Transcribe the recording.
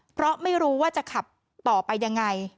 เพราะไม่รู้ว่าจะขับต่อไปยังไง